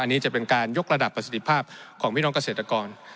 อันนี้จะเป็นการยกระดับประสิทธิภาพของพี่น้องเกษตรกร